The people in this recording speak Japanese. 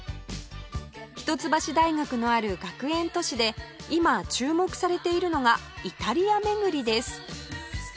一橋大学のある学園都市で今注目されているのがイタリア巡りです